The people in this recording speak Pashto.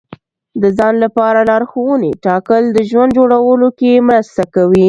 د ځان لپاره لارښوونې ټاکل د ژوند جوړولو کې مرسته کوي.